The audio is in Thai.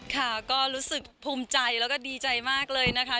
ค่ะก็รู้สึกภูมิใจแล้วก็ดีใจมากเลยนะคะ